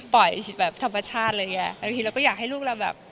ปล่อยแบบทำประชาติเลยไงบางทีเราก็อยากให้ลูกเราแบบ